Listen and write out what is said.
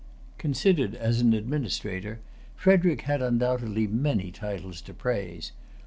Considered as an administrator, Frederic had undoubtedly many titles to praise.